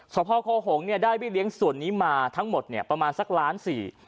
สพคหงได้บิเลี้ยงส่วนนี้มาทั้งหมดประมาณสักล้านสี่